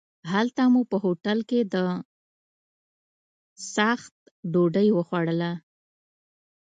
هلته مو په هوټل کې د څاښت ډوډۍ وخوړله.